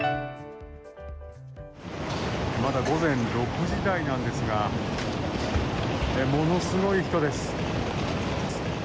まだ午前６時台なんですがものすごい人です。